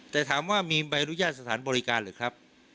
แต่ถามว่ามีใบอนุญาตสถานบริการหรือครับ